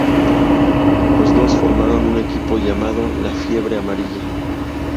Los dos formaron un equipo llamada La Fiebre Amarilla.